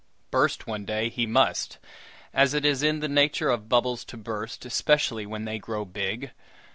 Burst one day he must, as it is in the nature of bubbles to burst, especially when they grow big.